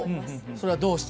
それはどうして？